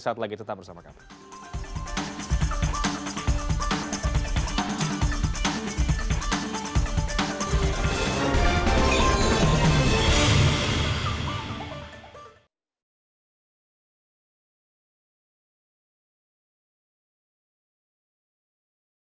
saat lagi tetap bersama kami